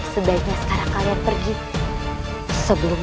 terima kasih telah ber springs